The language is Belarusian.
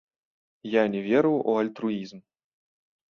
Я не веру ў альтруізм.